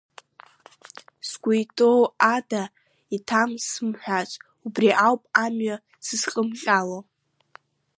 Сгәы иҭоу ада, иҭам сымҳәац, убри ауп амҩа сызхымҟьаӡо.